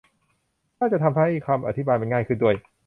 น่าจะทำให้คำอธิบายมันง่ายขึ้นด้วย